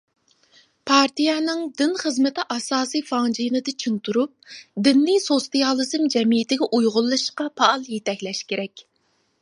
پارتىيەنىڭ دىن خىزمىتى ئاساسىي فاڭجېنىدا چىڭ تۇرۇپ، دىننى سوتسىيالىزم جەمئىيىتىگە ئۇيغۇنلىشىشقا پائال يېتەكلەش كېرەك.